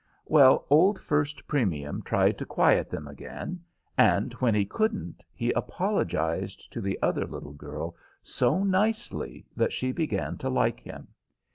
Well, old First Premium tried to quiet them again, and when he couldn't he apologized to the other little girl so nicely that she began to like him.